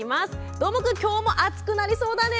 どーもくんきょうも暑くなりそうだね。